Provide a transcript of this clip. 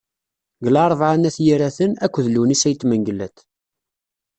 Deg Larebɛa n At Yiraten, akked Lewnis Ayit Mengellat.